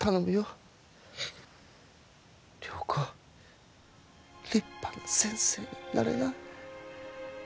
良子立派な先生になれな。